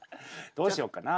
どうしようかな。